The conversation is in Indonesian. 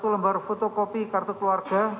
satu lembar fotokopi kartu keluarga